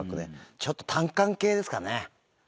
ちょっと単館系ですかね。